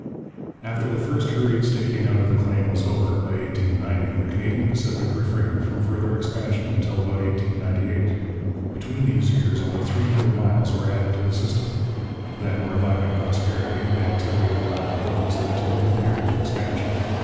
After the first hurried staking out of the claim was over, by 1890, the Canadian Pacific refrained from further expansion until about 1898: between these years only three hundred miles were added to the system. Then reviving prosperity and the activity of rival roads led to a new period of expansion.